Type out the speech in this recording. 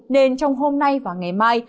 nên trong hôm nay và ngày mai